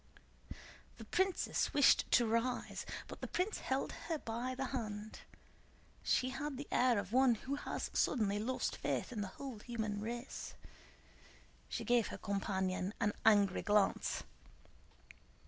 The princess wished to rise, but the prince held her by the hand. She had the air of one who has suddenly lost faith in the whole human race. She gave her companion an angry glance.